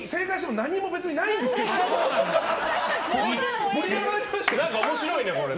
何か面白いね、これ。